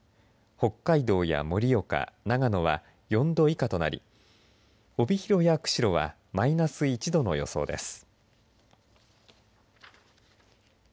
北海道や盛岡、長野は４度以下となり帯広や釧路はマイナス１度の予想です。